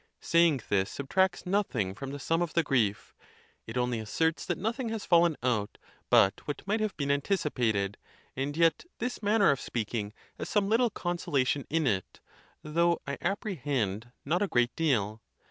Saying this subtracts nothing from the sum of the grief: it only asserts that nothing has fallen out but what might have been anticipated ; and yet this manner of speaking has some little consolation in it, though I ap prehend not a great deal.